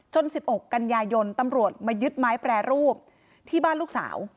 ๑๖กันยายนตำรวจมายึดไม้แปรรูปที่บ้านลูกสาว